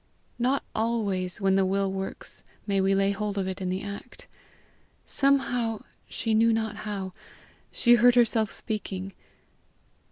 Not always when the will works may we lay hold of it in the act: somehow, she knew not how, she heard herself speaking.